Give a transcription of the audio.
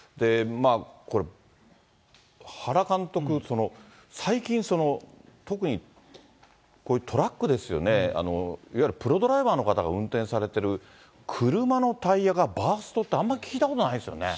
これ、原監督、最近、特にこういうトラックですよね、いわゆるプロドライバーの方が運転されている車のタイヤがバーストって、あんまり聞いたことないですよね。